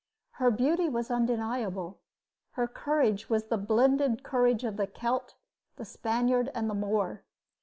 Her beauty was undeniable. Her courage was the blended courage of the Celt, the Spaniard, and the Moor.